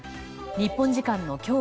日本時間の今日